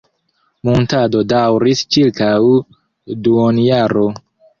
Muntado daŭris ĉirkaŭ duonjaro.